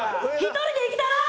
１人で生きたらぁ！